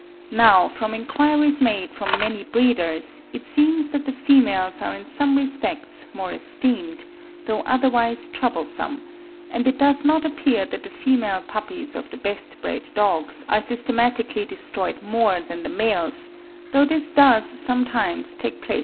Now from enquiries made from many breeders, it seems that the females are in some respects more esteemed, though otherwise troublesome; and it does not appear that the female puppies of the best bred dogs are systematically destroyed more than the males, though this does sometimes take place to a limited extent.